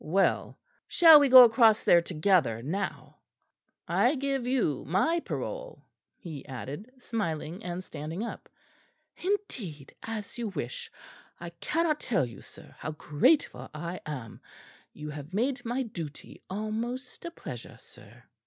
"Well, shall we go across there together now? I give you my parole," he added, smiling, and standing up. "Indeed, as you wish. I cannot tell you, sir, how grateful I am. You have made my duty almost a pleasure, sir."